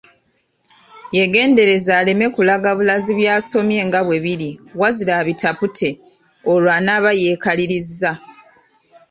Yeegendereze aleme kulaga bulazi bya’somye nga bwe biri wazira abitapute; olwo anaaba yeekaliriza.